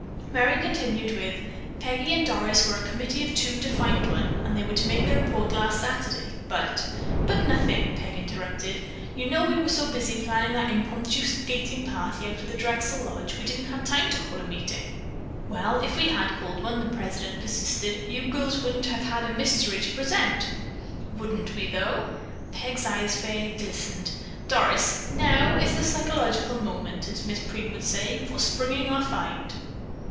Merry continued with: "Peggy and Doris were a committee of two to find one, and they were to make their report last Saturday, but——" "But nothing," Peg interrupted, "you know we were so busy planning that impromptu skating party out at the Drexel Lodge we didn't have time to call a meeting." "Well, if we had called one," the president persisted, "you girls wouldn't have had a mystery to present." "Wouldn't we, though?" Peg's eyes fairly glistened. "Doris, now is the psychological moment, as Miss Preen would say, for springing our find."